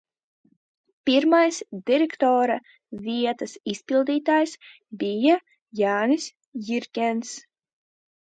Pirmais direktora vietas izpildītājs bija Jānis Jirgens.